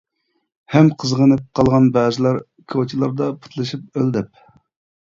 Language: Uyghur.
ھەم قىزغىنىپ قالغان بەزىلەر، كوچىلاردا پۇتلىشىپ ئۆل دەپ.